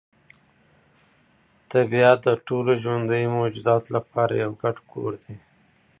طبیعت د ټولو ژوندیو موجوداتو لپاره یو ګډ کور دی.